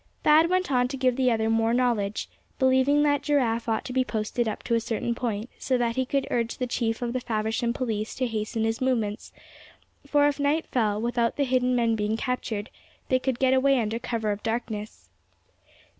Thad went on to give the other more knowledge, believing that Giraffe ought to be posted up to a certain point, so that he could urge the Chief of the Faversham police to hasten his movements; for if night fell, without the hidden men being captured, they could get away under cover of darkness.